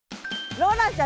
ローランちゃん